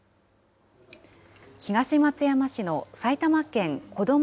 東松山市の埼玉県こども